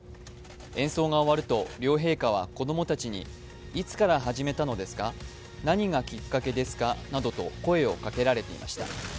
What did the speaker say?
演奏が終わると両陛下は子供たちにいつから始めたのですか何がきっかけですかなどと声をかけられていました。